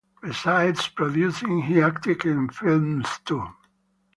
Besides producing he acted in films too.